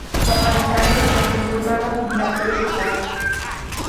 په افغانستان کې د سیندونه منابع شته.